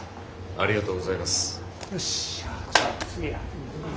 ありがとうございます。